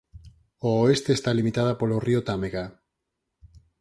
Ao oeste está limitada polo río Támega.